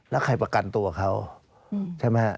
แล้วใครประกันตัวเขาใช่ไหมฮะ